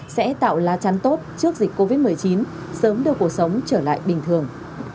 sẽ tạo lá chắn tốt trước dịch covid một mươi chín sớm đưa cuộc sống trở lại bình thường